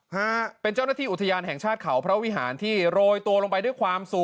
ฮะเป็นเจ้าหน้าที่อุทยานแห่งชาติเขาพระวิหารที่โรยตัวลงไปด้วยความสูง